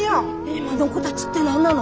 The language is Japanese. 今の子だぢって何なの？